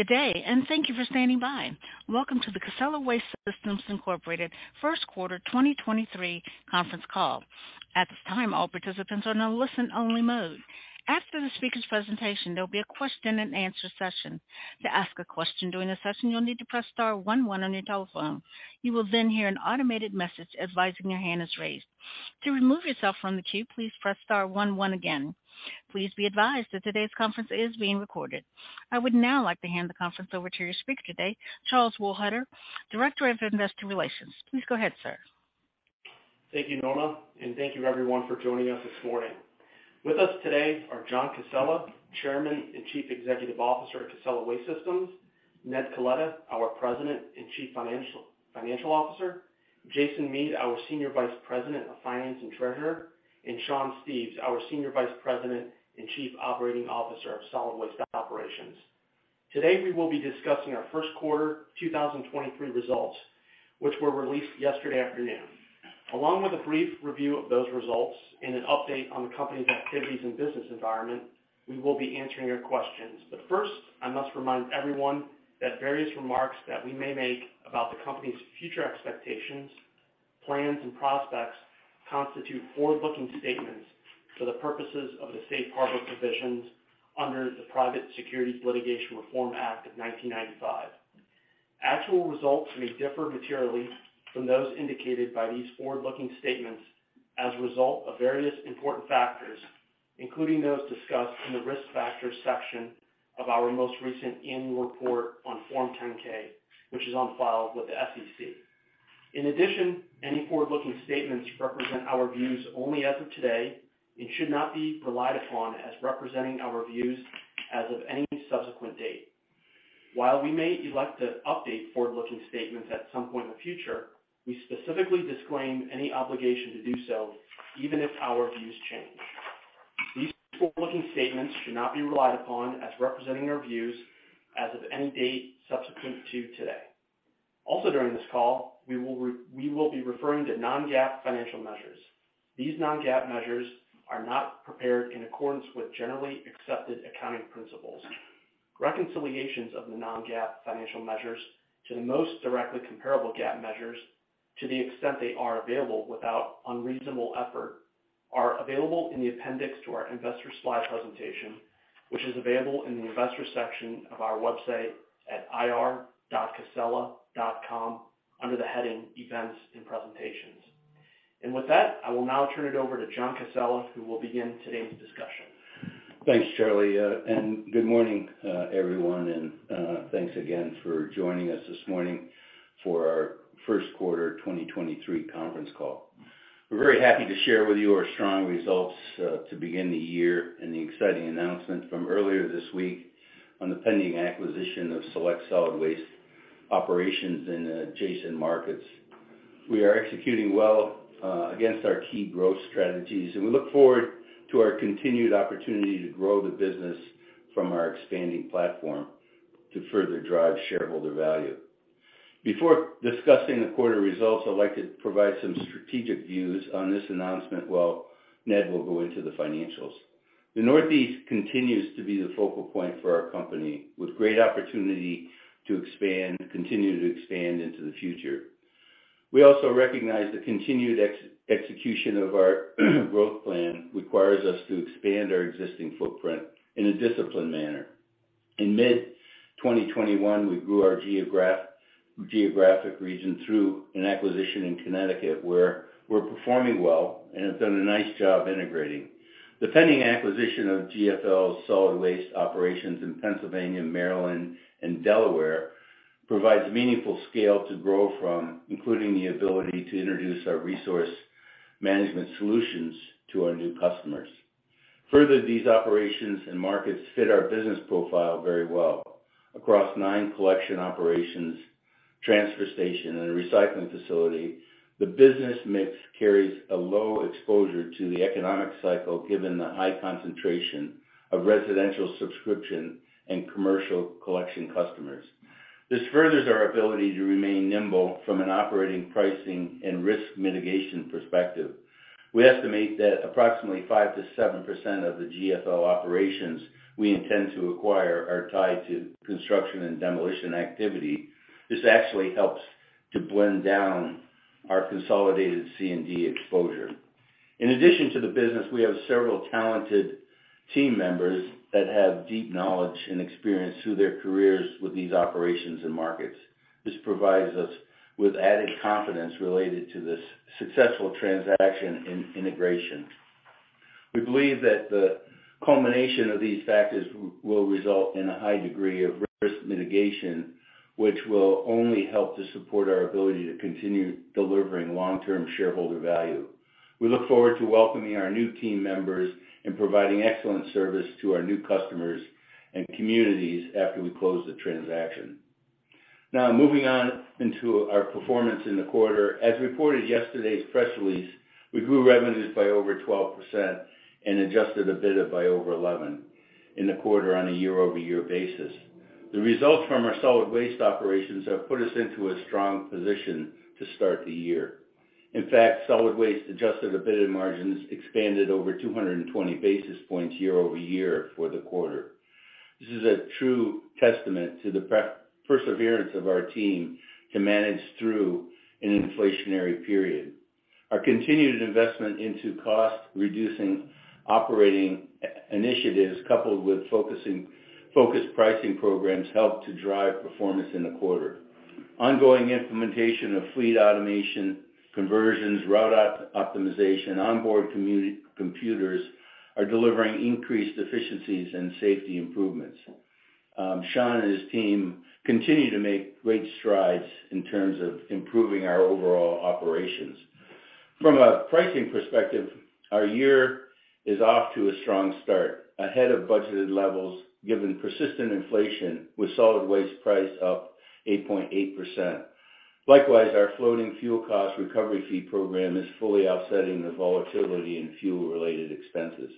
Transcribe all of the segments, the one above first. Good day, and thank you for standing by. Welcome to the Casella Waste Systems, Inc. First quarter 2023 conference call. At this time, all participants are in a listen-only mode. After the speaker's presentation, there'll be a question-and-answer session. To ask a question during the session, you'll need to press star one one on your telephone. You will then hear an automated message advising your hand is raised. To remove yourself from the queue, please press star one one again. Please be advised that today's conference is being recorded. I would now like to hand the conference over to your speaker today, Charlie Wohlhuter, Director of Investor Relations. Please go ahead, sir. Thank you, Norma. Thank you everyone for joining us this morning. With us today are John Casella, Chairman and Chief Executive Officer of Casella Waste Systems, Ned Coletta, our President and Chief Financial Officer, Jason Mead, our Senior Vice President of Finance and Treasurer, and Sean Steves, our Senior Vice President and Chief Operating Officer of Solid Waste Operations. Today, we will be discussing our first quarter 2023 results, which were released yesterday afternoon. Along with a brief review of those results and an update on the company's activities and business environment, we will be answering your questions. First, I must remind everyone that various remarks that we may make about the company's future expectations, plans and prospects constitute forward-looking statements for the purposes of the safe harbor provisions under the Private Securities Litigation Reform Act of 1995. Actual results may differ materially from those indicated by these forward-looking statements as a result of various important factors, including those discussed in the Risk Factors section of our most recent annual report on Form 10-K, which is on file with the SEC. In addition, any forward-looking statements represent our views only as of today and should not be relied upon as representing our views as of any subsequent date. While we may elect to update forward-looking statements at some point in the future, we specifically disclaim any obligation to do so, even if our views change. These forward-looking statements should not be relied upon as representing our views as of any date subsequent to today. Also, during this call, we will be referring to Non-GAAP financial measures. These Non-GAAP measures are not prepared in accordance with generally accepted accounting principles. Reconciliations of the Non-GAAP financial measures to the most directly comparable GAAP measures, to the extent they are available without unreasonable effort, are available in the appendix to our Investor slide presentation, which is available in the Investors section of our website at ir.casella.com under the heading Events and Presentations. With that, I will now turn it over to John Casella, who will begin today's discussion. Thanks, Charlie, and good morning, everyone, and thanks again for joining us this morning for our first quarter 2023 conference call. We're very happy to share with you our strong results to begin the year and the exciting announcement from earlier this week on the pending acquisition of select Solid Waste operations in adjacent markets. We are executing well against our key growth strategies, and we look forward to our continued opportunity to grow the business from our expanding platform to further drive Shareholder value. Before discussing the quarter results, I'd like to provide some strategic views on this announcement while Ned will go into the financials. The Northeast continues to be the focal point for our company with great opportunity to expand, continue to expand into the future. We also recognize the continued execution of our growth plan requires us to expand our existing footprint in a disciplined manner. In mid-2021, we grew our geographic region through an acquisition in Connecticut, where we're performing well and have done a nice job integrating. The pending acquisition of GFL's Solid Waste operations in Pennsylvania, Maryland, and Delaware provides meaningful scale to grow from, including the ability to introduce our resource management solutions to our new customers. These operations and markets fit our business profile very well. Across nine collection operations, transfer station, and a recycling facility, the business mix carries a low exposure to the economic cycle given the high concentration of residential subscription and Commercial collection customers. This furthers our ability to remain nimble from an operating, pricing, and risk mitigation perspective. We estimate that approximately 5%-7% of the GFL operations we intend to acquire are tied to construction and demolition activity. This actually helps to blend down our consolidated C&D exposure. In addition to the business, we have several talented Team members that have deep knowledge and experience through their careers with these operations and markets. This provides us with added confidence related to this successful Transaction and Integration. We believe that the culmination of these factors will result in a high degree of risk mitigation, which will only help to support our ability to continue delivering long-term Shareholder value. We look forward to welcoming our new Team members and providing excellent service to our new customers and Communities after we close the transaction. Now, moving on into our performance in the quarter. As reported yesterday's press release, we grew revenues by over 12% and Adjusted EBITDA by over 11% in the quarter on a year-over-year basis. The results from our Solid Waste operations have put us into a strong position to start the year. In fact, Solid Waste Adjusted EBITDA margins expanded over 220 basis points year-over-year for the quarter. This is a true testament to the perseverance of our Team to manage through an inflationary period. Our continued investment into cost reducing operating initiatives, coupled with focused pricing programs, helped to drive performance in the quarter. Ongoing implementation of Fleet Automation Conversions, Route Optimization, Onboard Computers are delivering increased efficiencies and safety improvements. Sean and his Team continue to make great strides in terms of improving our overall operations. From a pricing perspective, our year is off to a strong start, ahead of budgeted levels, given persistent inflation with Solid Waste price up 8.8%. Likewise, our floating Fuel cost recovery fee program is fully offsetting the volatility in Fuel related expenses.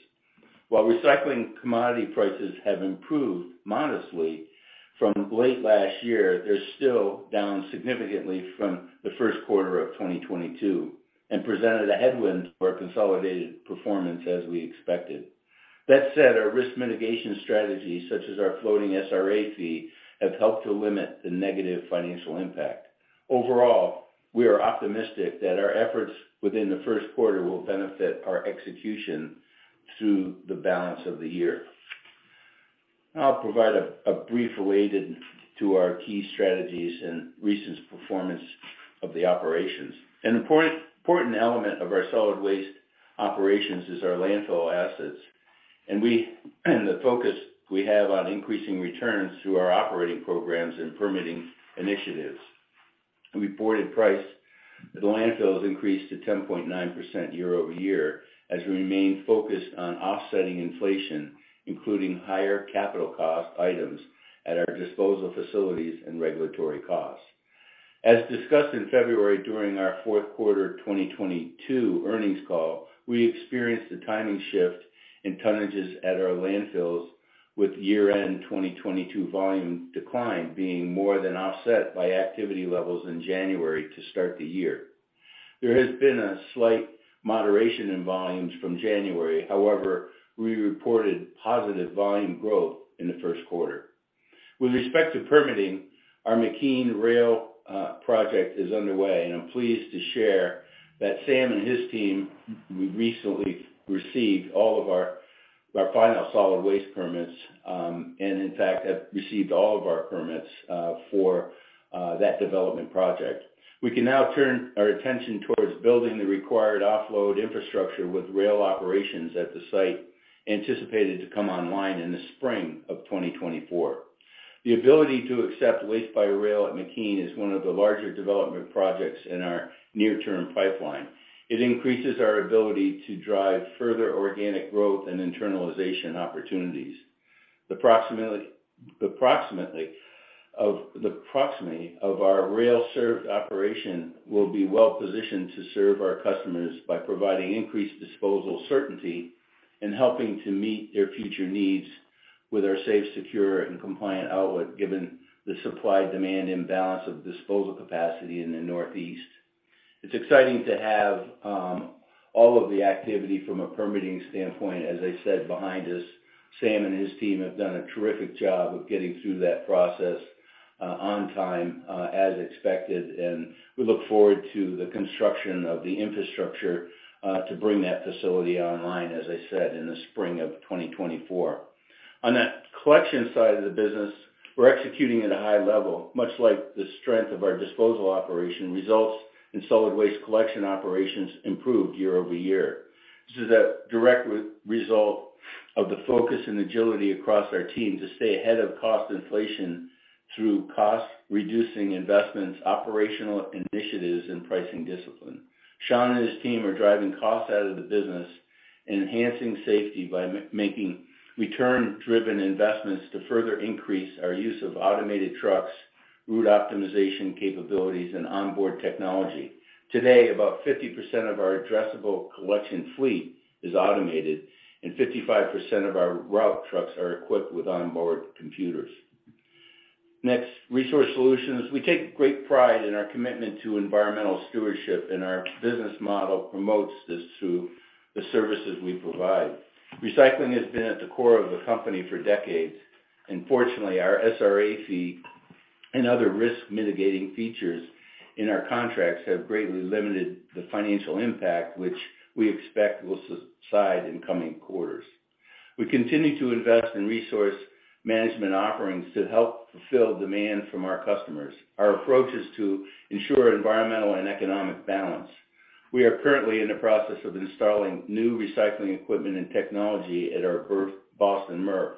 While recycling commodity prices have improved modestly from late last year, they're still down significantly from the first quarter of 2022 and presented a headwind for consolidated performance as we expected. That said, our risk mitigation strategies, such as our floating SRA fee, have helped to limit the negative financial impact. Overall, we are optimistic that our efforts within the first quarter will benefit our execution through the balance of the year. I'll provide a brief related to our key strategies and recent performance of the operations. An important element of our Solid Waste operations is our landfill assets. The focus we have on increasing returns through our operating programs and permitting initiatives. Reported price at the landfills increased to 10.9% year-over-year as we remain focused on offsetting inflation, including higher capital cost items at our disposal facilities and regulatory costs. As discussed in February during our fourth quarter 2022 earnings call, we experienced a timing shift in tonnages at our landfills, with year-end 2022 volume decline being more than offset by activity levels in January to start the year. There has been a slight moderation in volumes from January. We reported positive volume growth in the first quarter. With respect to permitting, our McKean Rail project is underway, and I'm pleased to share that Sam and his Team recently received all of our final Solid Waste permits, and in fact, have received all of our permits, for that development project. We can now turn our attention towards building the required offload infrastructure with rail operations at the site, anticipated to come online in the spring of 2024. The ability to accept waste by rail at McKean is one of the larger development projects in our near-term pipeline. It increases our ability to drive further organic growth and internalization opportunities. The proximity of our rail served operation will be well positioned to serve our customers by providing increased disposal certainty and helping to meet their future needs with our safe, secure and compliant outlet, given the supply demand imbalance of disposal capacity in the Northeast. It's exciting to have all of the activity from a permitting standpoint, as I said, behind us. Sam and his Team have done a terrific job of getting through that process on time as expected, and we look forward to the construction of the infrastructure to bring that facility online, as I said, in the spring of 2024. On that collection side of the business, we're executing at a high level. Much like the strength of our disposal operation, results in Solid Waste collection operations improved year-over-year. This is a direct re-result of the focus and agility across our Team to stay ahead of cost inflation through cost reducing investments, operational initiatives and pricing discipline. Sean and his Team are driving costs out of the business and enhancing safety by making return driven investments to further increase our use of Automated Trucks, Route oOptimization capabilities and onboard technology. Today, about 50% of our addressable collection fleet is automated and 55% of our route trucks are equipped with onboard computers. Next, Resource Solutions. We take great pride in our commitment to environmental stewardship, and our business model promotes this through the services we provide. Recycling has been at the core of the company for decades, and fortunately, our SRA fee and other risk mitigating features in our contracts have greatly limited the financial impact, which we expect will subside in coming quarters. We continue to invest in resource management offerings to help fulfill demand from our customers. Our approach is to ensure environmental and economic balance. We are currently in the process of installing new recycling equipment and technology at our Bir-Boston MRF,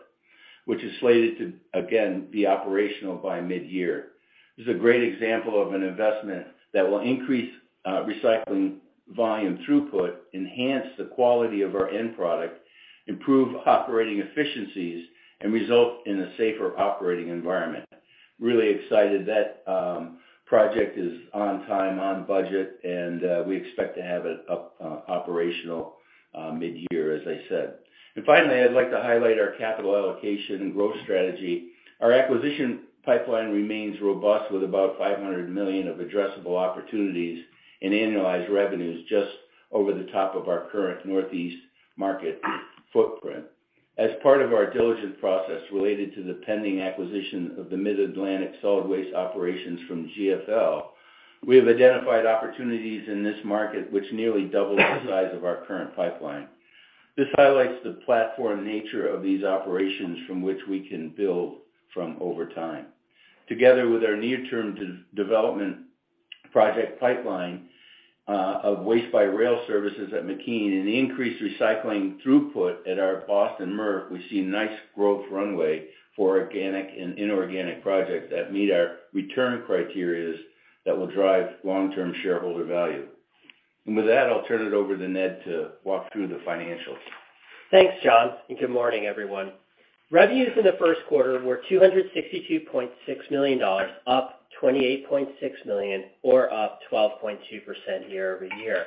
which is slated to again be operational by mid-year. This is a great example of an investment that will increase recycling volume throughput, enhance the quality of our end product, improve operating efficiencies, and result in a safer operating environment. Really excited that project is on time, on budget, and we expect to have it up operational mid-year, as I said. Finally, I'd like to highlight our capital allocation and growth strategy. Our acquisition pipeline remains robust with about $500 million of addressable opportunities and annualized revenues just over the top of our current Northeast market footprint. As part of our diligent process related to the pending acquisition of the Mid-Atlantic Solid Waste operations from GFL, we have identified opportunities in this market which nearly double the size of our current pipeline. This highlights the platform nature of these operations from which we can build from over time. Together with our near-term development project pipeline of waste-by-rail services at McKean and the increased recycling throughput at our Boston MRF, we see nice growth runway for organic and inorganic projects that meet our return criterias that will drive long-term Shareholder value. With that, I'll turn it over to Ned to walk through the financials. Thanks, John. Good morning, everyone. Revenues in the first quarter were $262.6 million, up $28.6 million or up 12.2% year-over-year,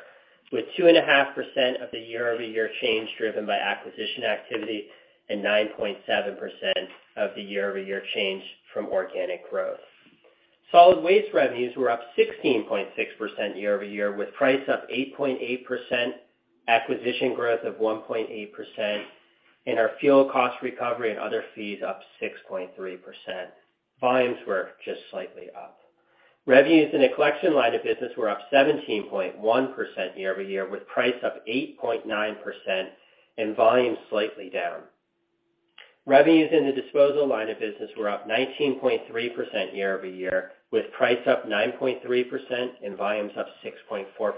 with 2.5% of the year-over-year change driven by acquisition activity and 9.7% of the year-over-year change from organic growth. Solid Waste revenues were up 16.6% year-over-year, with price up 8.8%, acquisition growth of 1.8%, and our Fuel cost recovery and other fees up 6.3%. Volumes were just slightly up. Revenues in the collection line of business were up 17.1% year-over-year, with price up 8.9% and volume slightly down. Revenues in the disposal line of business were up 19.3% year-over-year, with price up 9.3% and volumes up 6.4%.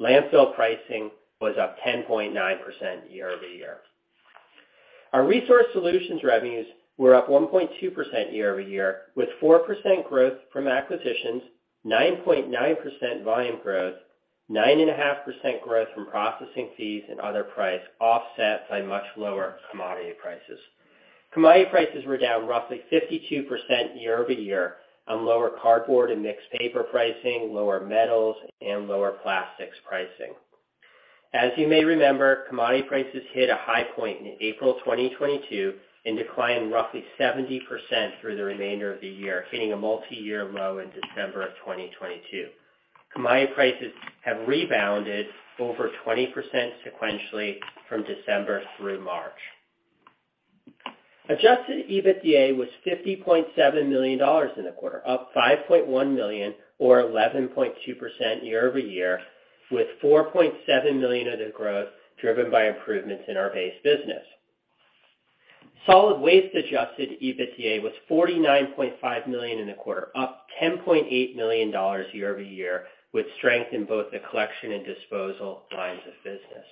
Landfill pricing was up 10.9% year-over-year. Our Resource Solutions revenues were up 1.2% year-over-year, with 4% growth from acquisitions, 9.9% volume growth, 9.5% growth from processing fees and other price offsets by much lower commodity prices. Commodity prices were down roughly 52% year-over-year on lower cardboard and mixed paper pricing, lower metals, and lower plastics pricing. As you may remember, commodity prices hit a high point in April 2022 and declined roughly 70% through the remainder of the year, hitting a multi-year low in December of 2022. Commodity prices have rebounded over 20% sequentially from December through March. Adjusted EBITDA was $50.7 million in the quarter, up $5.1 million or 11.2% year-over-year, with $4.7 million of the growth driven by improvements in our base business. Solid Waste Adjusted EBITDA was $49.5 million in the quarter, up $10.8 million year-over-year, with strength in both the collection and disposal lines of business.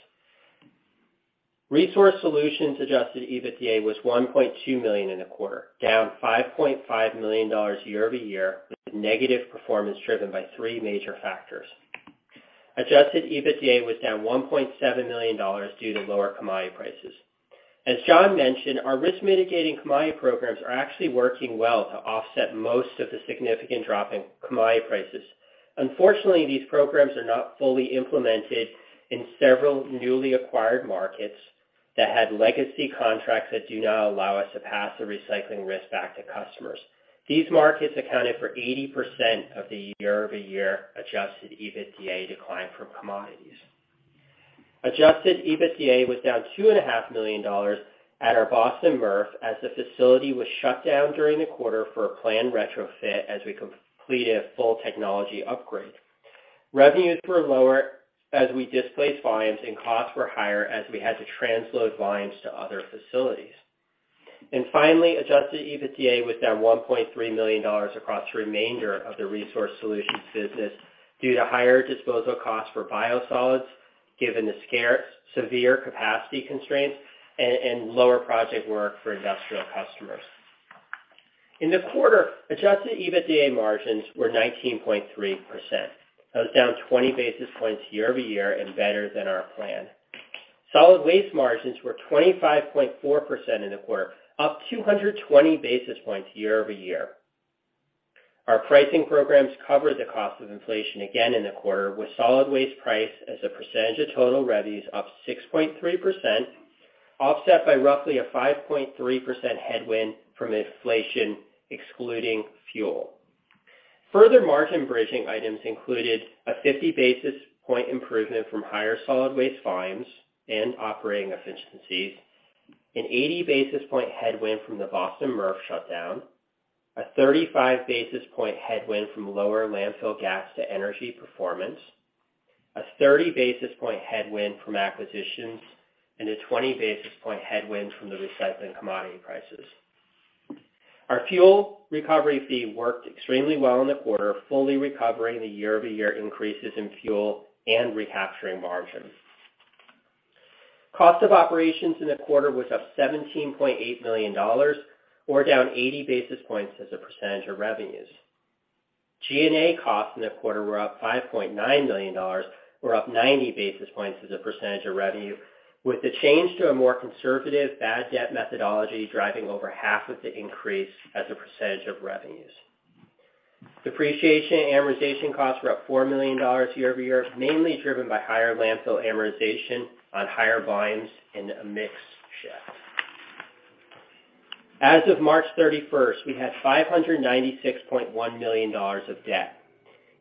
Resource Solutions Adjusted EBITDA was $1.2 million in the quarter, down $5.5 million year-over-year, with negative performance driven by three major factors. Adjusted EBITDA was down $1.7 million due to lower commodity prices. As John mentioned, our risk mitigating commodity programs are actually working well to offset most of the significant drop in commodity prices. Unfortunately, these programs are not fully implemented in several newly acquired markets that had legacy contracts that do not allow us to pass the recycling risk back to customers. These markets accounted for 80% of the year-over-year Adjusted EBITDA decline from commodities. Adjusted EBITDA was down two and a half million dollars at our Boston MRF as the facility was shut down during the quarter for a planned retrofit as we completed a full technology upgrade. Revenues were lower as we displaced volumes, costs were higher as we had to transload volumes to other facilities. Finally, Adjusted EBITDA was down $1.3 million across the remainder of the Resource Solutions business due to higher disposal costs for biosolids, given the scarce, severe capacity constraints and lower project work for Industrial customers. In the quarter, Adjusted EBITDA margins were 19.3%. That was down 20 basis points year-over-year and better than our plan. Solid Waste margins were 25.4% in the quarter, up 220 basis points year-over-year. Our pricing programs covered the cost of inflation again in the quarter with Solid Waste price as a percentage of total revenues up 6.3%, offset by roughly a 5.3% headwind from inflation, excluding Fuel. Further margin bridging items included a 50 basis point improvement from higher Solid Waste volumes and operating efficiencies, an 80 basis point headwind from the Boston MRF shutdown, a 35 basis point headwind from lower landfill gas to energy performance, a 30 basis point headwind from acquisitions, and a 20 basis point headwind from the recycling commodity prices. Our Fuel recovery fee worked extremely well in the quarter, fully recovering the year-over-year increases in Fuel and recapturing margins. Cost of operations in the quarter was up $17.8 million or down 80 basis points as a percentage of revenues. G&A costs in the quarter were up $5.9 million, or up 90 basis points as a percentage of revenue, with the change to a more conservative bad debt methodology driving over half of the increase as a percentage of revenues. Depreciation and amortization costs were up $4 million year-over-year, mainly driven by higher landfill amortization on higher volumes and a mix shift. As of March 31st, we had $596.1 million of debt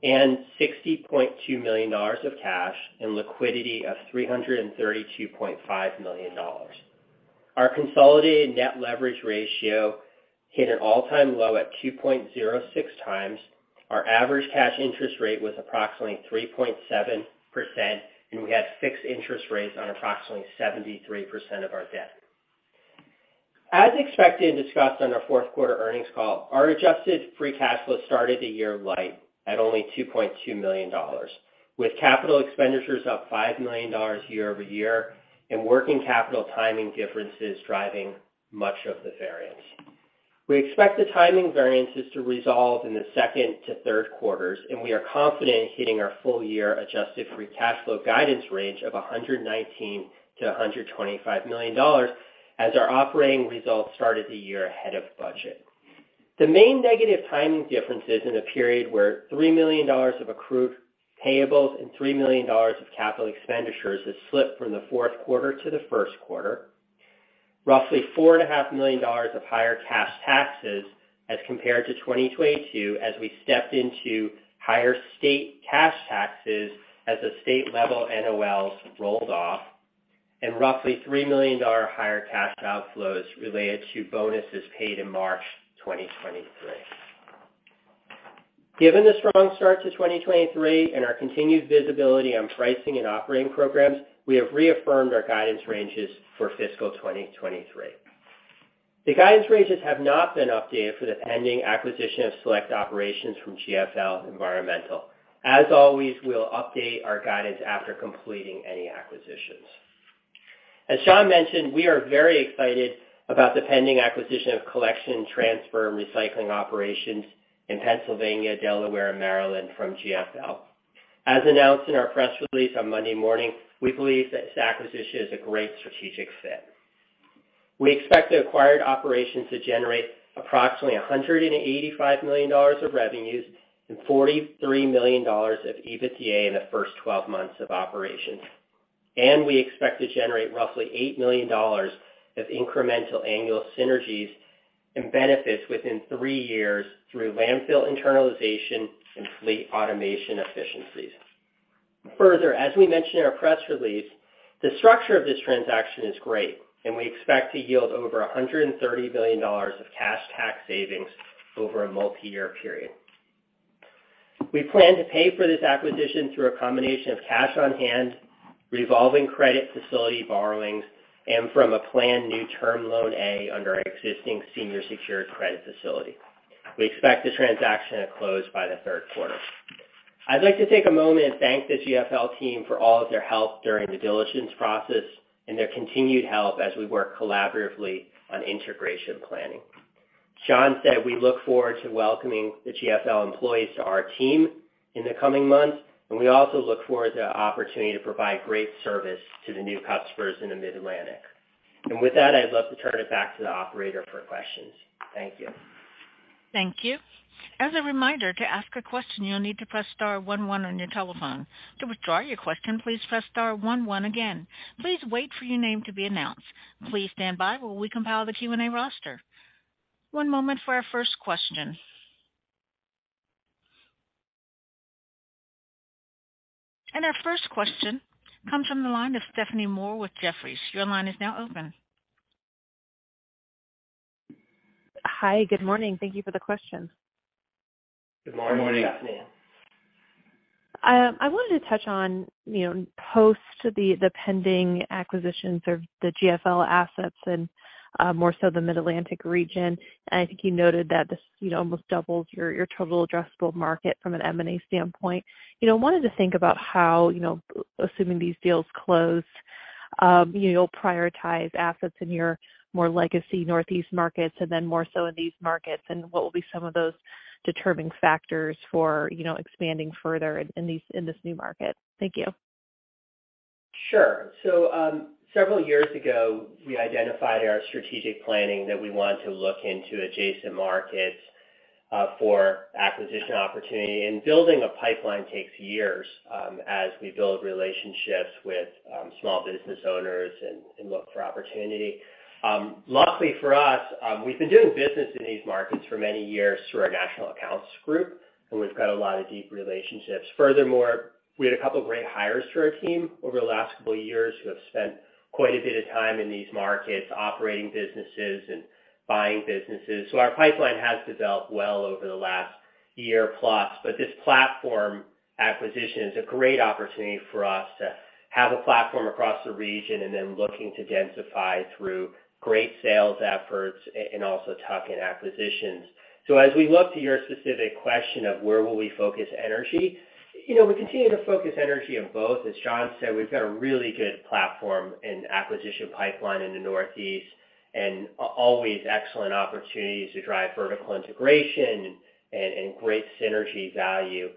and $60.2 million of cash and liquidity of $332.5 million. Our consolidated net leverage ratio hit an all-time low at 2.06x. Our average cash interest rate was approximately 3.7%, and we had fixed interest rates on approximately 73% of our debt. As expected and discussed on our fourth quarter earnings call, our Adjusted Free Cash Flow started the year light at only $2.2 million, with capital expenditures up $5 million year-over-year and working capital timing differences driving much of the variance. We expect the timing variances to resolve in the second to third quarters, and we are confident in hitting our full-year Adjusted Free Cash Flow guidance range of $119 million-$125 million as our operating results started the year ahead of budget. The main negative timing differences in the period were $3 million of accrued payables and $3 million of capital expenditures that slipped from the fourth quarter to the first quarter. Roughly $4.5 million of higher cash taxes as compared to 2022 as we stepped into higher state cash taxes as the state-level NOLs rolled off, and roughly $3 million higher cash outflows related to bonuses paid in March 2023. Given the strong start to 2023 and our continued visibility on pricing and operating programs, we have reaffirmed our guidance ranges for fiscal 2023. The guidance ranges have not been updated for the pending acquisition of select operations from GFL Environmental. As always, we'll update our guidance after completing any acquisitions. As Sean mentioned, we are very excited about the pending acquisition of collection, transfer, and recycling operations in Pennsylvania, Delaware, and Maryland from GFL. As announced in our press release on Monday morning, we believe that this acquisition is a great strategic fit. We expect the acquired operations to generate approximately $185 million of revenues and $43 million of EBITDA in the first 12 months of operations. We expect to generate roughly $8 million of incremental annual synergies and benefits within three years through landfill internalization and fleet automation efficiencies. Further, as we mentioned in our press release, the structure of this transaction is great, and we expect to yield over $130 million of cash tax savings over a multiyear period. We plan to pay for this acquisition through a combination of cash on hand, revolving credit facility borrowings, and from a planned new Term Loan A under our existing senior secured credit facility. We expect the transaction to close by the third quarter. I'd like to take a moment and thank the GFL Team for all of their help during the diligence process and their continued help as we work collaboratively on integration planning. Sean said we look forward to welcoming the GFL employees to our Team in the coming months, and we also look forward to the opportunity to provide great service to the new customers in the Mid-Atlantic. With that, I'd love to turn it back to the Operator for questions. Thank you. Thank you. As a reminder, to ask a question, you'll need to press star one one on your telephone. To withdraw your question, please press star one one again. Please wait for your name to be announced. Please stand by while we compile the Q&A roster. One moment for our first question. Our first question comes from the line of Stephanie Moore with Jefferies. Your line is now open. Hi, good morning. Thank you for the questions. Good morning. Good morning. I wanted to touch on, you know, post the pending acquisitions of the GFL assets and, more so the Mid-Atlantic Region. I think you noted that this, you know, almost doubles your total addressable market from an M&A standpoint. You know, wanted to think about how, you know, assuming these deals closed, you know, prioritize assets in your more legacy Northeast markets and then more so in these markets, and what will be some of those determining factors for, you know, expanding further in these, in this new market. Thank you. Several years ago, we identified in our strategic planning that we want to look into adjacent markets for acquisition opportunity, and building a pipeline takes years as we build relationships with small business owners and look for opportunity. Luckily for us, we've been doing business in these markets for many years through our National Accounts Group, and we've got a lot of deep relationships. Furthermore, we had a couple of great hires to our Team over the last couple of years who have spent quite a bit of time in these markets operating businesses and buying businesses. Our pipeline has developed well over the last year plus. This platform acquisition is a great opportunity for us to have a platform across the region and then looking to densify through great sales efforts and also tuck-in acquisitions. As we look to your specific question of where will we focus energy. You know, we continue to focus energy on both. As Sean said, we've got a really good platform and acquisition pipeline in the Northeast and always excellent opportunities to drive vertical integration and great synergy value.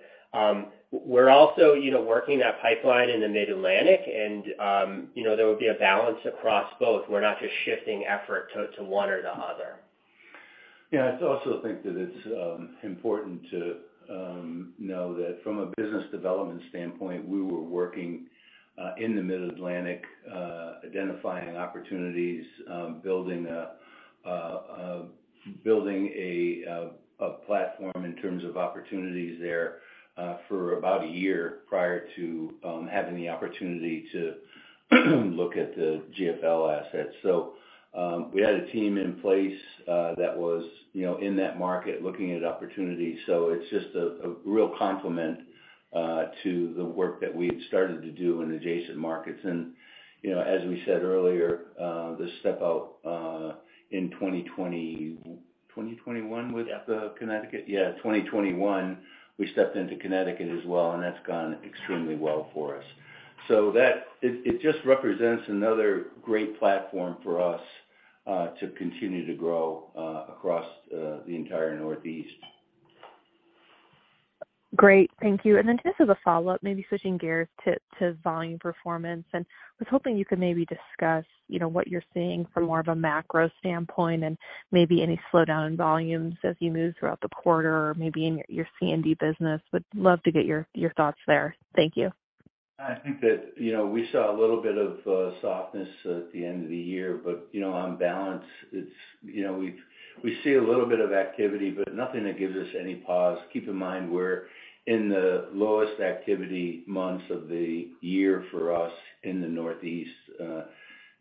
We're also, you know, working that pipeline in the Mid-Atlantic and, you know, there will be a balance across both. We're not just shifting effort to one or the other. Yeah. I also think that it's important to know that from a business development standpoint, we were working in the Mid-Atlantic, identifying opportunities, building a platform in terms of opportunities there, for about a year prior to having the opportunity to look at the GFL assets. We had a Team in place, you know, in that market looking at opportunities. It's just a real complement to the work that we had started to do in adjacent markets. You know, as we said earlier, the step out in 2021 was the Connecticut? Yeah, 2021, we stepped into Connecticut as well, and that's gone extremely well for us. It just represents another great platform for us to continue to grow across the entire Northeast. Great. Thank you. Then just as a follow-up, maybe switching gears to volume performance. I was hoping you could maybe discuss, you know, what you're seeing from more of a macro standpoint and maybe any slowdown in volumes as you move throughout the quarter or maybe in your C&D business. Would love to get your thoughts there. Thank you. I think that, you know, we saw a little bit of softness at the end of the year, but, you know, on balance, it's. You know, we see a little bit of activity, but nothing that gives us any pause. Keep in mind, we're in the lowest activity months of the year for us in the Northeast,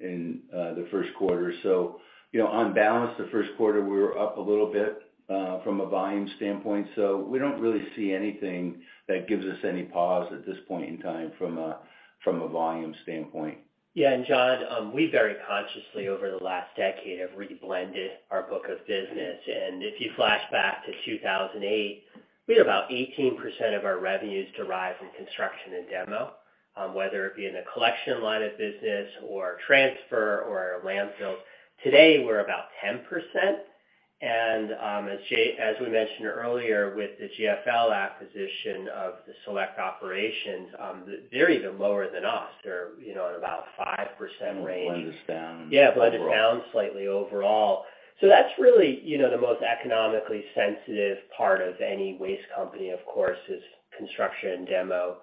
in the first quarter. So, you know, on balance, the first quarter, we were up a little bit from a volume standpoint. So we don't really see anything that gives us any pause at this point in time from a volume standpoint. Yeah. John, we very consciously over the last decade have re-blended our book of business. If you flash back to 2008, we had about 18% of our revenues derive from construction and demo, whether it be in the collection line of business or transfer or our landfills. Today, we're about 10%. As we mentioned earlier with the GFL acquisition of the select operations, they're even lower than us. They're, you know, at about 5% range. Kind of blended down overall. Blended down slightly overall. That's really, you know, the most economically sensitive part of any waste company, of course, is construction demo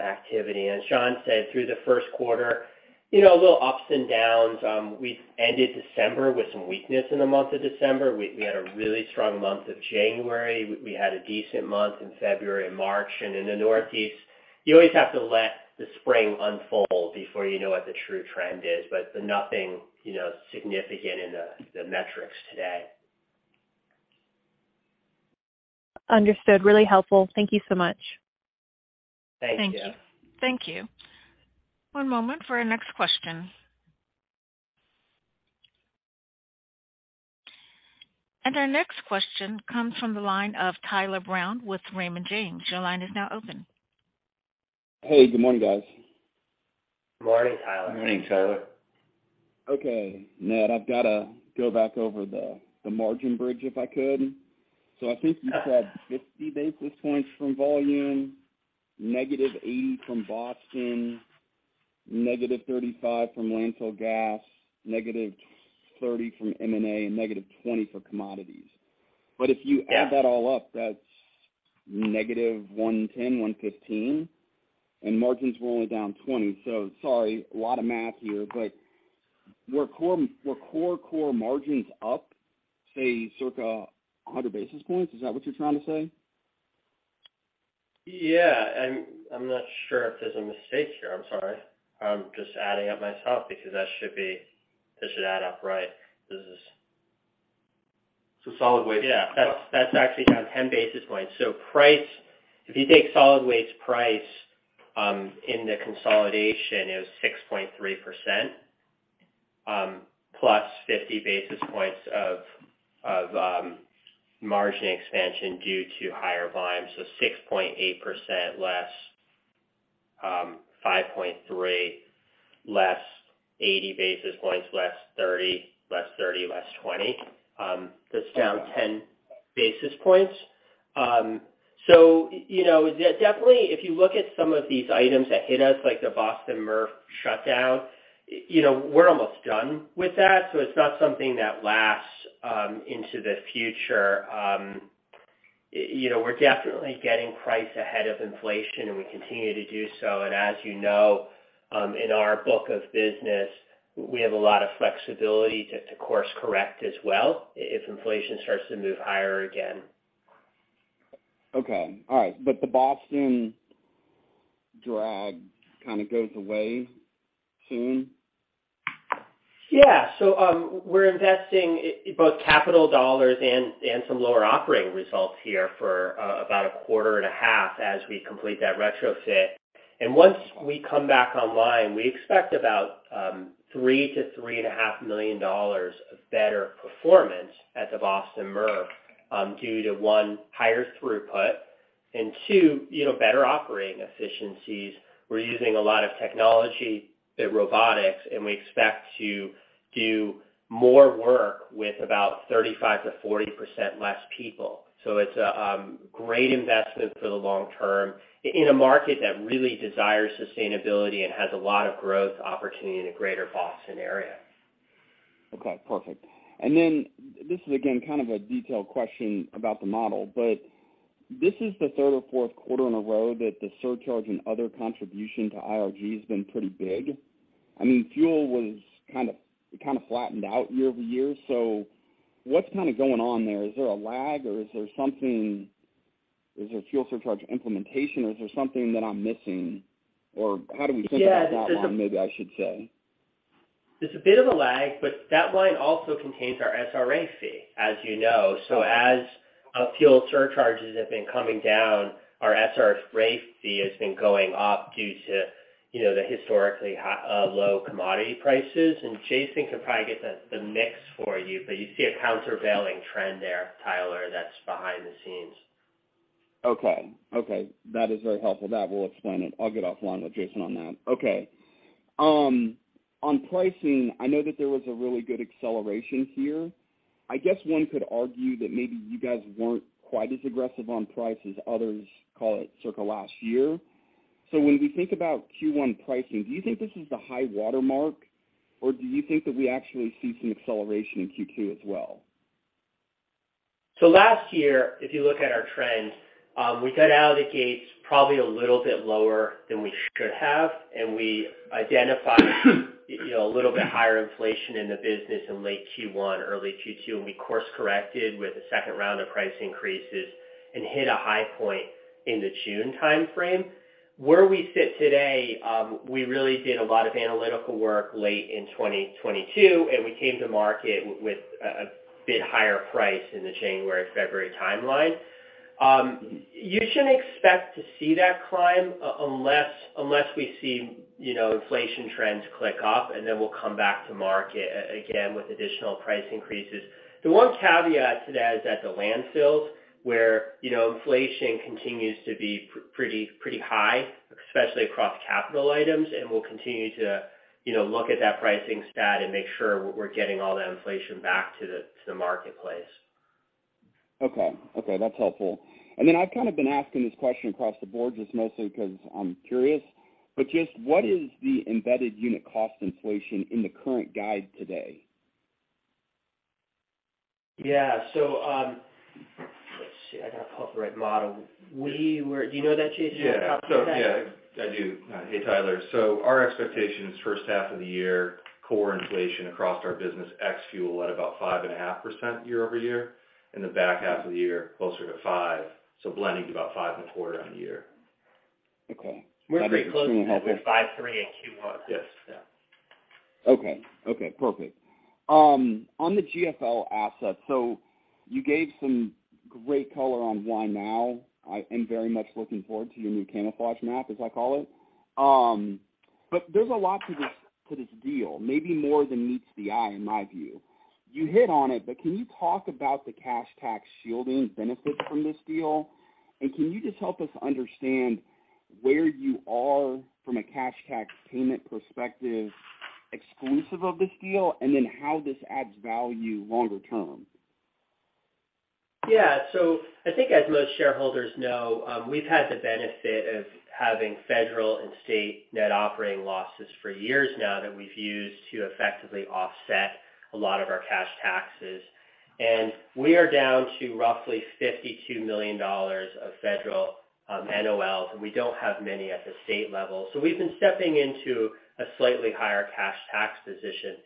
activity. Sean said through the first quarter, you know, little ups and downs. We ended December with some weakness in the month of December. We had a really strong month of January. We had a decent month in February and March. In the Northeast, you always have to let the spring unfold before you know what the true trend is. Nothing, you know, significant in the metrics today. Understood. Really helpful. Thank you so much. Thank you. Thank you. Thank you. One moment for our next question. Our next question comes from the line of Tyler Brown with Raymond James. Your line is now open. Hey, good morning, guys. Good morning, Tyler. Good morning, Tyler. Ned, I've gotta go back over the margin bridge, if I could. I think you said 50 basis points from volume, negative 80 from Boston, negative 35 from landfill gas, negative 30 from M&A, and negative 20 for commodities. If you add that all up, that's negative 110, 115, and margins were only down 20. Sorry, a lot of math here. Were core core margins up, say, circa 100 basis points? Is that what you're trying to say? Yeah. I'm not sure if there's a mistake here. I'm sorry. I'm just adding up myself because that should be... That should add up right. This is... Solid Waste. Yeah. That's actually down 10 basis points. price... If you take Solid Waste price, in the consolidation, it was 6.3%, plus 50 basis points of margin expansion due to higher volume, 6.8% less, 5.3, less 80 basis points, less 30, less 30, less 20. That's down 10 basis points. you know, definitely, if you look at some of these items that hit us, like the Boston MRF shutdown, you know, we're almost done with that, so it's not something that lasts into the future. you know, we're definitely getting price ahead of inflation, and we continue to do so. as you know, in our book of business, we have a lot of flexibility to course correct as well if inflation starts to move higher again. Okay. All right. The Boston drag kinda goes away soon? Yeah. We're investing in both capital dollars and some lower operating results here for about a quarter and a half as we complete that retrofit. Once we come back online, we expect about $3 million-$3.5 million of better performance at the Boston MRF due to, one, higher throughput, and two, you know, better operating efficiencies. We're using a lot of technology and robotics, and we expect to do more work with about 35%-40% less people. It's a great investment for the long term in a market that really desires sustainability and has a lot of growth opportunity in the Greater Boston area. Okay, perfect. This is again, kind of a detailed question about the model, but this is the third or fourth quarter in a row that the surcharge and other contribution to IRG has been pretty big. Fuel it kind of flattened out year-over-year. What's kind of going on there? Is there a lag or is there something? Is there Fuel surcharge implementation or is there something that I'm missing? How do we think about that one, maybe I should say. There's a bit of a lag. That line also contains our SRA fee, as you know. As Fuel surcharges have been coming down, our SRA fee has been going up due to, you know, the historically low commodity prices. Jason can probably get the mix for you. You see a countervailing trend there, Tyler, that's behind the scenes. Okay. Okay. That is very helpful. That will explain it. I'll get off one with Jason on that. Okay. On pricing, I know that there was a really good acceleration here. I guess one could argue that maybe you guys weren't quite as aggressive on price as others, call it circa last year. When we think about Q1 pricing, do you think this is the high watermark, or do you think that we actually see some acceleration in Q2 as well? Last year, if you look at our trends, we got out of the gates probably a little bit lower than we should have, and we identified, you know, a little bit higher inflation in the business in late Q1, early Q2, and we course-corrected with a second round of price increases and hit a high point in the June timeframe. Where we sit today, we really did a lot of Analytical work late in 2022, and we came to market with a bit higher price in the January, February timeline. You shouldn't expect to see that climb unless we see, you know, inflation trends click up, and then we'll come back to market again with additional price increases. The one caveat to that is at the landfills, where, you know, inflation continues to be pretty high, especially across capital items, and we'll continue to, you know, look at that pricing stat and make sure we're getting all that inflation back to the marketplace. Okay. Okay, that's helpful. Then I've kind of been asking this question across the board, just mostly 'cause I'm curious. Just what is the embedded unit cost inflation in the current guide today? Yeah. let's see. I gotta pull up the right model. Do you know that, Jason? I do. Hey, Tyler. Our expectation is first half of the year, core inflation across our business, ex Fuel at about 5.5% year-over-year, in the back half of the year, closer to 5%. Blending to about 5.25% on the year. Okay. We're pretty close with 5.3% in Q1. Yes. Yeah. Okay. Okay, perfect. On the GFL asset, you gave some great color on why now. I am very much looking forward to your new camouflage map, as I call it. There's a lot to this deal, maybe more than meets the eye, in my view. You hit on it, can you talk about the cash tax shielding benefit from this deal? Can you just help us understand where you are from a cash tax payment perspective exclusive of this deal, and then how this adds value longer term? Yeah. I think as most Shareholders know, we've had the benefit of having Federal and State Net operating losses for years now that we've used to effectively offset a lot of our cash taxes. We are down to roughly $52 million of federal NOLs, and we don't have many at the state level. We've been stepping into a slightly higher cash tax position.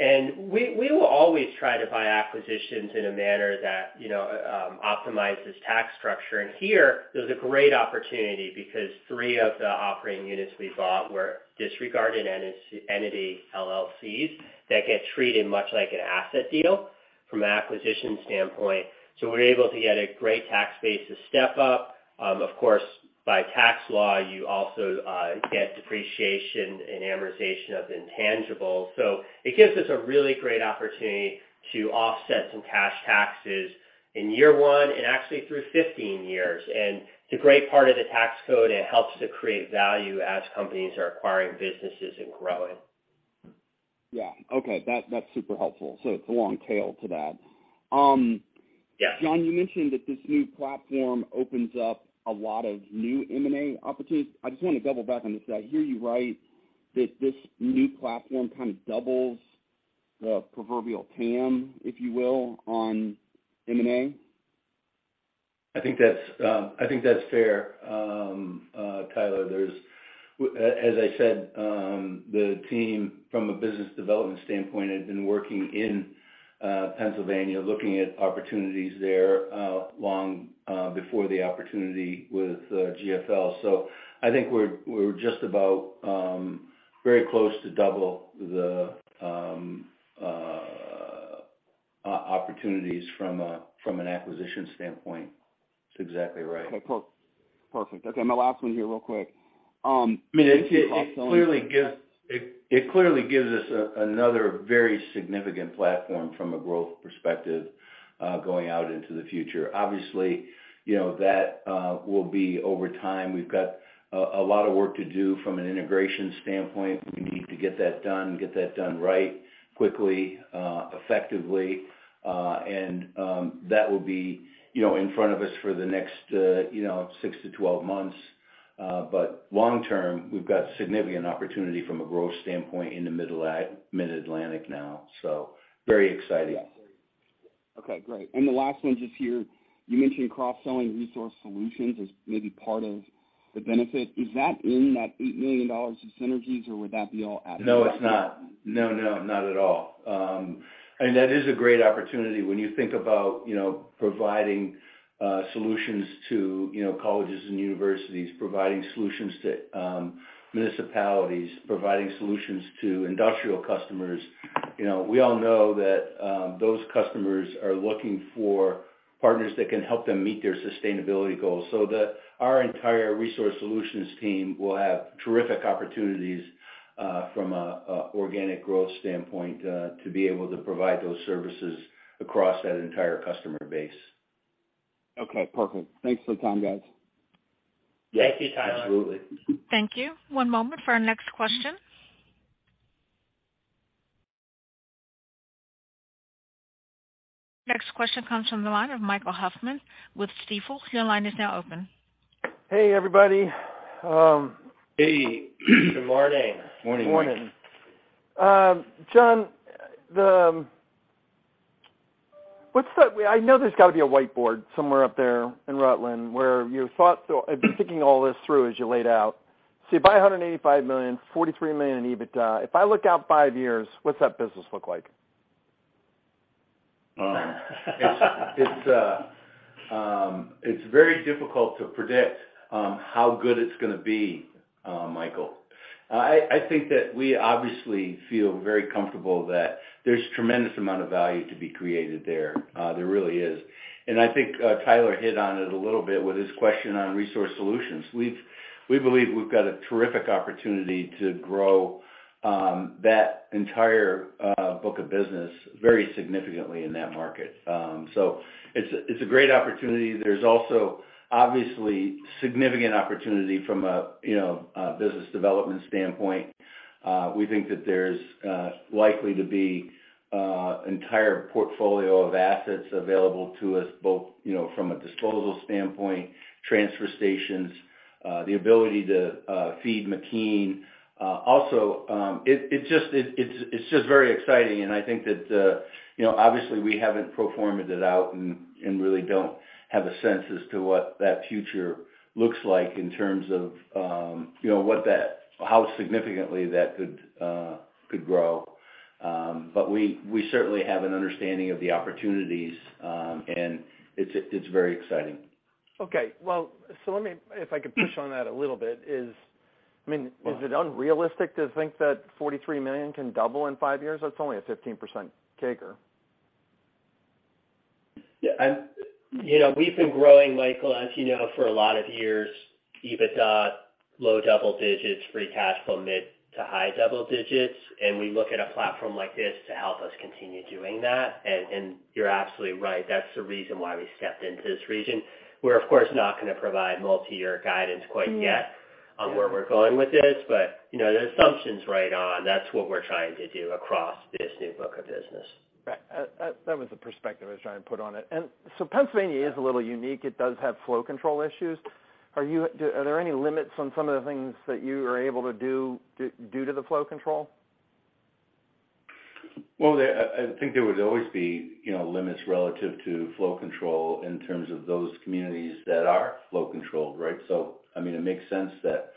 We will always try to buy acquisitions in a manner that, you know, Optimizes Tax Structure. Here, there's a great opportunity because three of the operating units we bought were disregarded entity LLCs that get treated much like an asset deal from an acquisition standpoint. We're able to get a great tax base to step up. Of course, by tax law, you also get depreciation and amortization of intangibles. It gives us a really great opportunity to offset some cash taxes in year 1 and actually through 15 years. It's a great part of the tax code, and it helps to create value as companies are acquiring businesses and growing. Yeah. Okay. That's super helpful. It's a long tail to that. Yeah. John, you mentioned that this new platform opens up a lot of new M&A opportunities. I just wanna double back on this. I hear you right that this new platform kind of doubles the proverbial TAM, if you will, on M&A? I think that's, I think that's fair, Tyler. As I said, the Team from a business development standpoint had been working in Pennsylvania looking at opportunities there, long before the opportunity with GFL. I think we're just about very close to double the opportunities from an acquisition standpoint. It's exactly right. Okay, cool. Perfect. Okay, my last one here real quick. I mean, it clearly gives us another very significant platform from a growth perspective, going out into the future. Obviously, you know, that will be over time. We've got a lot of work to do from an integration standpoint. We need to get that done, get that done right, quickly, effectively. That will be, you know, in front of us for the next, you know, 6 to 12 months. Long term, we've got significant opportunity from a growth standpoint in the Mid-Atlantic now, so very exciting. Okay, great. The last one just here, you mentioned cross-selling Resource Solutions as maybe part of the benefit. Is that in that $8 million of synergies, or would that be all added? No, it's not. No, no, not at all. I mean, that is a great opportunity when you think about, you know, providing solutions to, you know, colleges and universities, providing solutions to Municipalities, providing solutions to Industrial customers. You know, we all know that those customers are looking for partners that can help them meet their sustainability goals. Our entire Resource Solutions Team will have terrific opportunities from a organic growth standpoint to be able to provide those services across that entire customer base. Okay, perfect. Thanks for the time, guys. Yes. Thank you, Tyler. Absolutely. Thank you. One moment for our next question. Next question comes from the line of Michael Hoffman with Stifel. Your line is now open. Hey, everybody. Hey. Good morning. Morning. Morning. John, I know there's got to be a whiteboard somewhere up there in Rutland where you thought or have been thinking all this through as you laid out. You buy $185 million, $43 million in EBITDA. If I look out 5 years, what's that business look like? It's, it's very difficult to predict how good it's gonna be, Michael. I think that we obviously feel very comfortable that there's tremendous amount of value to be created there. There really is. I think Tyler hit on it a little bit with his question on Resource Solutions. We believe we've got a terrific opportunity to grow that entire book of business very significantly in that market. It's a, it's a great opportunity. There's also obviously significant opportunity from a, you know, a business development standpoint. We think that there's likely to be entire portfolio of assets available to us both, you know, from a disposal standpoint, transfer stations, the ability to feed McKean. Also, it's just very exciting. I think that, you know, obviously, we haven't pro formed it out and really don't have a sense as to what that future looks like in terms of, you know, how significantly that could grow. We, we certainly have an understanding of the opportunities, and it's very exciting. Well, I mean, is it unrealistic to think that $43 million can double in five years? That's only a 15% CAGR. Yeah, you know, we've been growing, Michael, as you know, for a lot of years, EBITDA, low double digits, free cash flow, mid to high double digits, and we look at a platform like this to help us continue doing that. And you're absolutely right. That's the reason why we stepped into this region. We're, of course, not gonna provide multi-year guidance quite yet on where we're going with this, but, you know, the assumption's right on. That's what we're trying to do across this new book of business. Right. That was the perspective I was trying to put on it. Pennsylvania is a little unique. It does have flow control issues. Are there any limits on some of the things that you are able to do due to the flow control? Well, I think there would always be, you know, limits relative to flow control in terms of those Communities that are flow controlled, right? I mean, it makes sense that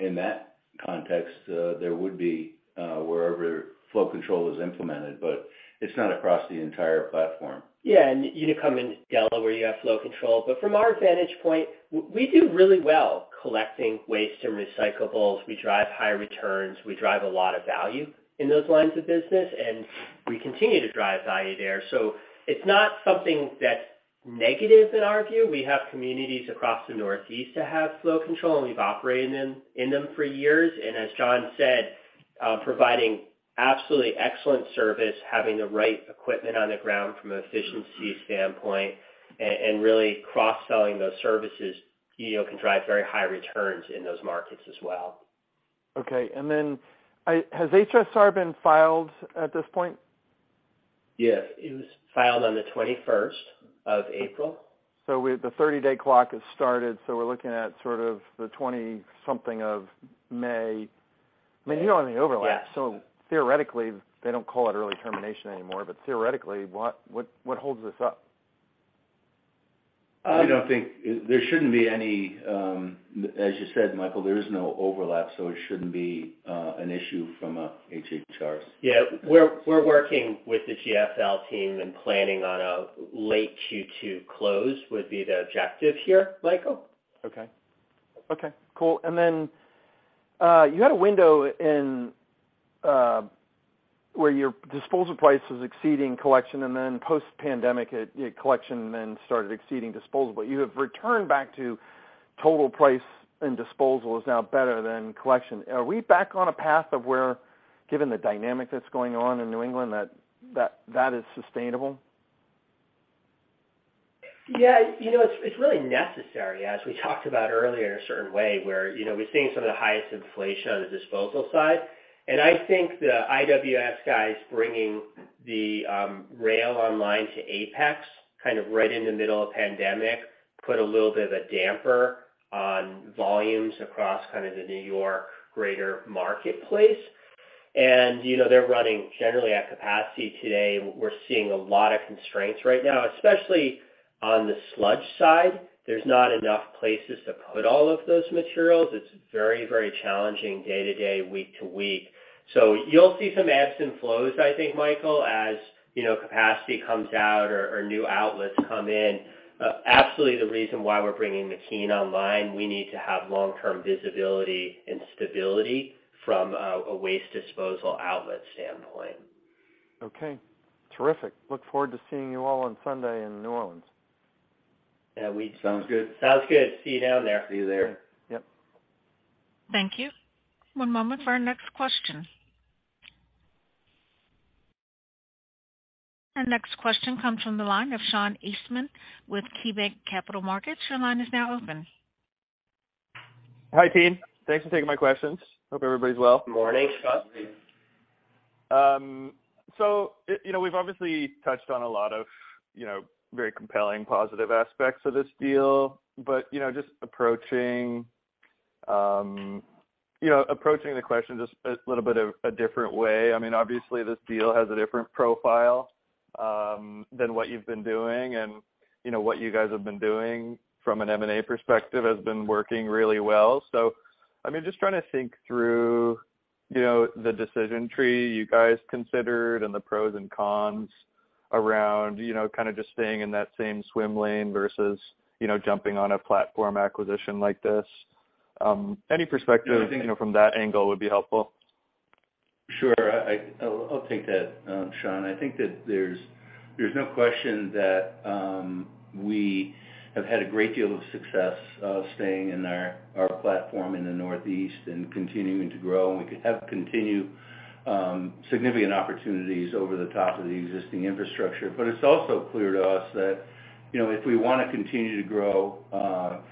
in that context, there would be wherever flow control is implemented, but it's not across the entire platform. Yeah. You know, coming to Delaware, you have flow control. From our vantage point, we do really well collecting waste and recyclables. We drive high returns. We drive a lot of value in those lines of business, and we continue to drive value there. It's not something that's negative in our view. We have Communities across the Northeast that have flow control, and we've operated in them for years. As John said, providing absolutely excellent service, having the right equipment on the ground from an efficiency standpoint and really cross-selling those services, you know, can drive very high returns in those markets as well. Okay. Has HSR been filed at this point? Yes. It was filed on the 21st of April. we the 30-day clock has started, so we're looking at sort of the 20-something of May. I mean, you don't have any overlap. Yeah. Theoretically, they don't call it early termination anymore, but theoretically, what holds this up? There shouldn't be any, as you said, Michael, there is no overlap, so it shouldn't be an issue from a HSR. We're working with the GFL Team and planning on a late Q2 close would be the objective here, Michael. Okay. Okay, cool. You had a window in, where your disposal price was exceeding collection, and then post-pandemic it, collection then started exceeding disposal. You have returned back to total price, and disposal is now better than collection. Are we back on a path of where, given the dynamic that's going on in New England, that is sustainable? Yeah. You know, it's really necessary, as we talked about earlier in a certain way, where, you know, we're seeing some of the highest inflation on the disposal side. I think the IWS guys bringing the rail online to Apex kind of right in the middle of pandemic put a little bit of a damper on volumes across kind of the New York greater marketplace. You know, they're running generally at capacity today. We're seeing a lot of constraints right now, especially on the sludge side. There's not enough places to put all of those materials. It's very, very challenging day to day, week to week. You'll see some ebbs and flows, I think, Michael, as, you know, capacity comes out or new outlets come in. Absolutely the reason why we're bringing McKean online, we need to have long-term visibility and stability from a waste disposal outlet standpoint. Okay. Terrific. Look forward to seeing you all on Sunday in New Orleans. Yeah. Sounds good. Sounds good. See you down there. See you there. Yep. Thank you. One moment for our next question. Our next question comes from the line of Sean Eastman with KeyBanc Capital Markets. Your line is now open. Hi, Team. Thanks for taking my questions. Hope everybody's well. Morning, Sean. Morning. You know, we've obviously touched on a lot of, you know, very compelling positive aspects of this deal, but, you know, just approaching, you know, approaching the question just a little bit of a different way. I mean, obviously this deal has a different profile than what you've been doing. You know, what you guys have been doing from an M&A perspective has been working really well. I mean, just trying to think through, you know, the decision tree you guys considered and the pros and cons around, you know, kind of just staying in that same swim lane versus, you know, jumping on a platform acquisition like this. Any perspective, you know, from that angle would be helpful. Sure. I'll take that, Sean. I think that there's no question that we have had a great deal of success of staying in our platform in the Northeast and continuing to grow. We could have continued significant opportunities over the top of the existing infrastructure. It's also clear to us that, you know, if we wanna continue to grow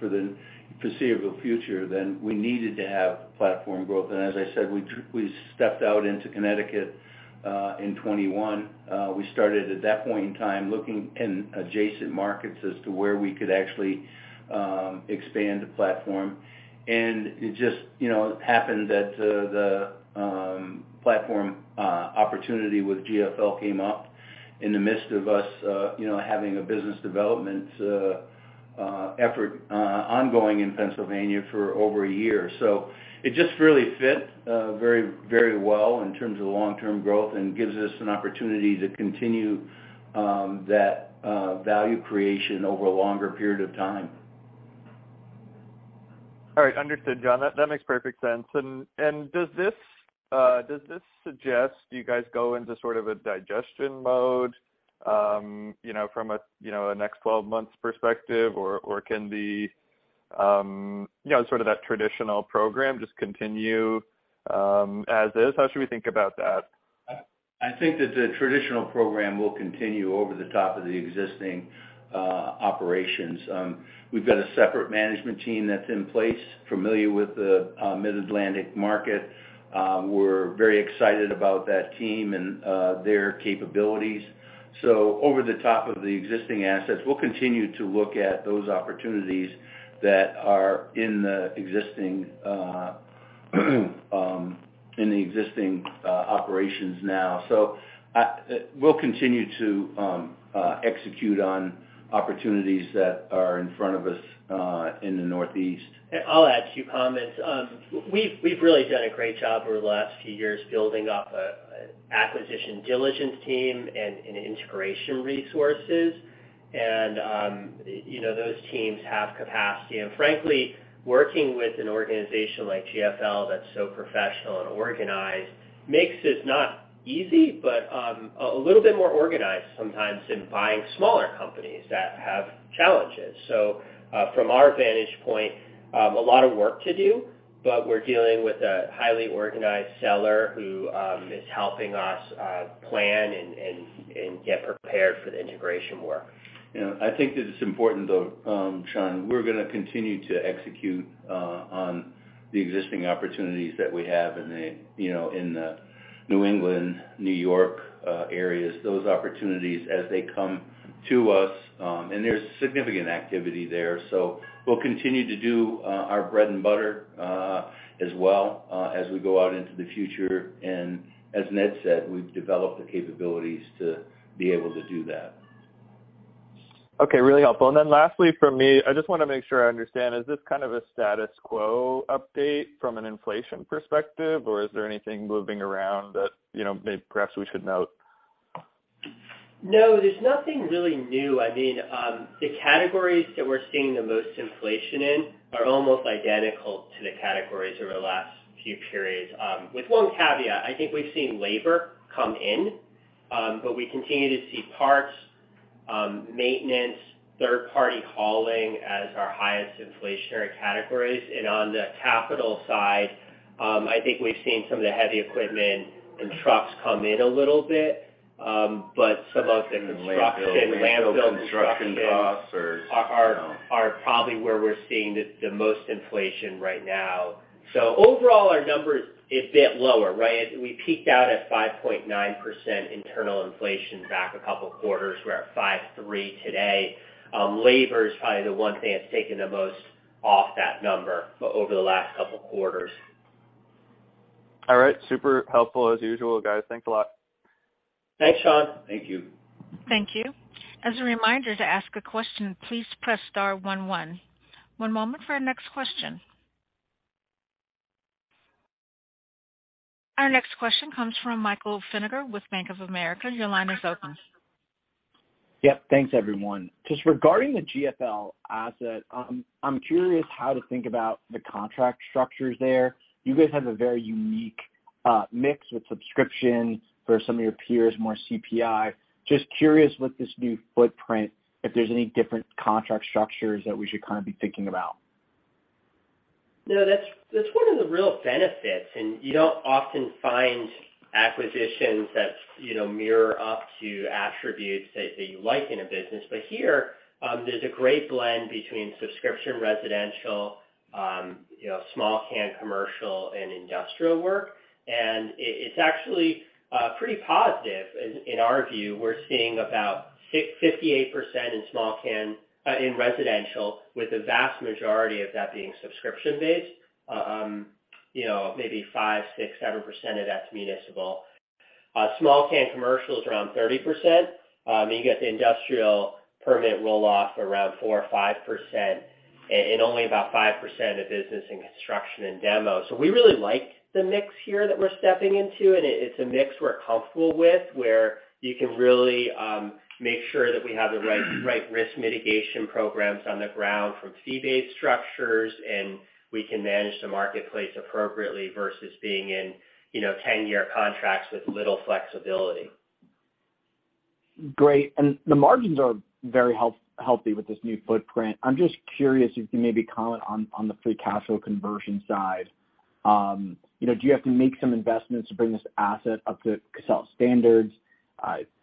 for the foreseeable future, then we needed to have platform growth. As I said, we stepped out into Connecticut in 2021. We started at that point in time looking in adjacent markets as to where we could actually expand the platform. It just, you know, happened that the platform opportunity with GFL came up in the midst of us, you know, having a business development effort ongoing in Pennsylvania for over a year. It just really fit very, very well in terms of the long-term growth and gives us an opportunity to continue that value creation over a longer period of time. All right. Understood, John. That makes perfect sense. Does this suggest you guys go into sort of a digestion mode, you know, from a, you know, a next 12 months perspective? Or can the, you know, sort of that Traditional Program just continue, as is? How should we think about that? I think that the traditional program will continue over the top of the existing operations. We've got a separate management Team that's in place, familiar with the Mid-Atlantic market. We're very excited about that Team and their capabilities. Over the top of the existing assets, we'll continue to look at those opportunities that are in the existing in the existing operations now. We'll continue to execute on opportunities that are in front of us in the Northeast. I'll add two comments. We've really done a great job over the last few years building up a acquisition diligence Team and integration resources. You know, those Teams have capacity. Frankly, working with an organization like GFL that's so professional and organized makes this not easy, but a little bit more organized sometimes than buying smaller companies that have challenges. From our vantage point, a lot of work to do, but we're dealing with a highly organized seller who is helping us plan and get prepared for the integration work. You know, I think that it's important, though, Sean, we're gonna continue to execute on the existing opportunities that we have in the, you know, in the New England, New York, areas, those opportunities as they come to us. There's significant activity there. We'll continue to do our bread and butter as well as we go out into the future. As Ned said, we've developed the capabilities to be able to do that. Okay, really helpful. Then lastly from me, I just wanna make sure I understand, is this kind of a status quo update from an inflation perspective, or is there anything moving around that, you know, perhaps we should note? No, there's nothing really new. I mean, the categories that we're seeing the most inflation in are almost identical to the categories over the last few periods, with one caveat. I think we've seen labor come in, but we continue to see parts, maintenance, third-party hauling as our highest inflationary categories. On the capital side, I think we've seen some of the heavy equipment and trucks come in a little bit. Some of the construction, landfill construction are probably where we're seeing the most inflation right now. Overall, our number is a bit lower, right? We peaked out at 5.9% internal inflation back a couple quarters. We're at 5.3% today. Labor is probably the one thing that's taken the most off that number over the last couple quarters. All right. Super helpful as usual, guys. Thanks a lot. Thanks, Sean. Thank you. Thank you. As a reminder to ask a question, please press star one one. One moment for our next question. Our next question comes from Michael Feniger with Bank of America. Your line is open. Yep, thanks everyone. Just regarding the GFL asset, I'm curious how to think about the contract structures there. You guys have a very unique mix with subscription where some of your peers more CPI. Just curious with this new footprint, if there's any different contract structures that we should kind of be thinking about. No, that's one of the real benefits, you don't often find acquisitions that, you know, mirror up to attributes that you like in a business. Here, there's a great blend betweenSubscription, Residential, you know, small can Commercial and Industrial work. It's actually pretty positive in our view. We're seeing about 58% in small can in residential, with the vast majority of that being subscription-based. You know, maybe 5%, 6%, 7% of that's Municipal. Small can Commercial is around 30%. You get the Industrial permit roll off around 4% or 5% and only about 5% of business and construction and demo. We really like the mix here that we're stepping into, and it's a mix we're comfortable with, where you can really make sure that we have the right risk mitigation programs on the ground from fee-based structures, and we can manage the marketplace appropriately versus being in, you know, 10-year contracts with little flexibility. Great. The margins are very healthy with this new footprint. I'm just curious if you can maybe comment on the free cash flow conversion side. You know, do you have to make some investments to bring this asset up to Casella standards?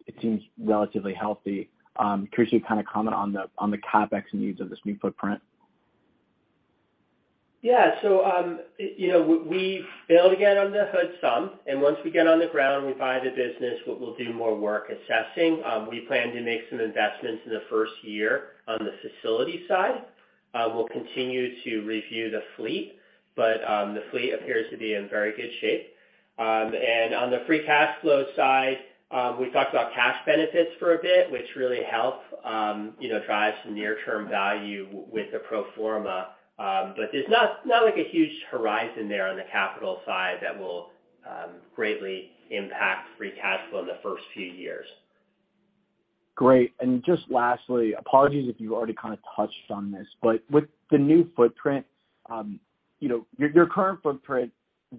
It seems relatively healthy. Curious your kind of comment on the CapEx needs of this new footprint. You know, we failed to get under the hood some, and once we get on the ground and we buy the business, we will do more work assessing. We plan to make some investments in the first year on the facility side. We'll continue to review the fleet, but the fleet appears to be in very good shape. On the free cash flow side, we've talked about cash benefits for a bit, which really help, you know, drive some near-term value with the pro forma. There's not like a huge horizon there on the capital side that will greatly impact free cash flow in the first few years. Great. Just lastly, apologies if you already kind of touched on this, but with the new footprint, you know, your current footprint,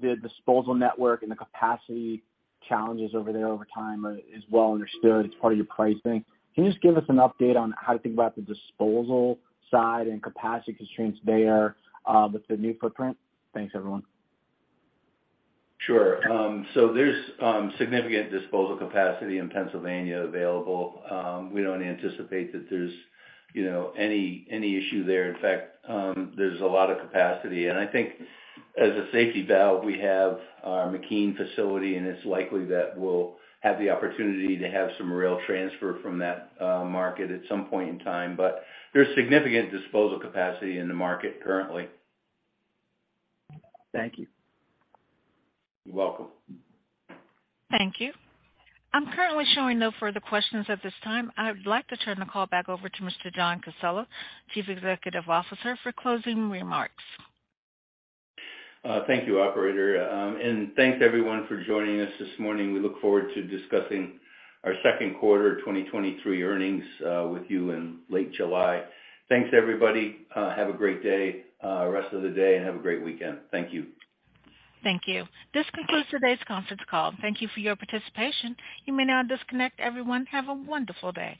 the disposal network and the capacity challenges over there over time is well understood. It's part of your pricing. Can you just give us an update on how to think about the disposal side and capacity constraints there with the new footprint? Thanks, everyone. Sure. There's significant disposal capacity in Pennsylvania available. We don't anticipate that there's, you know, any issue there. In fact, there's a lot of capacity. I think as a safety valve, we have our McKean facility, and it's likely that we'll have the opportunity to have some rail transfer from that market at some point in time. There's significant disposal capacity in the market currently. Thank you. You're welcome. Thank you. I'm currently showing no further questions at this time. I would like to turn the call back over to Mr. John Casella, Chief Executive Officer, for closing remarks. Thank you, Operator. Thanks everyone for joining us this morning. We look forward to discussing our second quarter 2023 earnings with you in late July. Thanks, everybody. Have a great day, rest of the day, and have a great weekend. Thank you. Thank you. This concludes today's conference call. Thank you for your participation. You may now disconnect. Everyone, have a wonderful day.